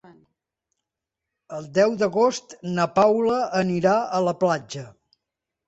El deu d'agost na Paula anirà a la platja.